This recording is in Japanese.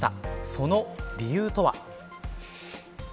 その理由とは。